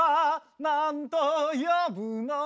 「なんと呼ぶのか」